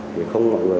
thì không mọi người